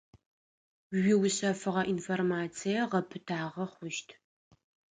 Уиушъэфыгъэ информацие гъэпытагъэ хъущт.